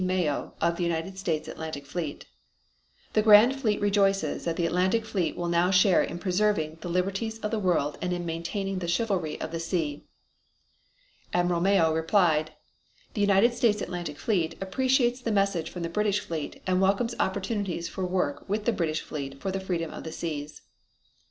Mayo of the United States Atlantic Fleet: The Grand Fleet rejoices that the Atlantic fleet will now share in preserving the liberties of the world and in maintaining the chivalry of the sea. Admiral Mayo replied: The United States Atlantic Fleet appreciates the message from the British fleet and welcomes opportunities for work with the British fleet for the freedom of the seas.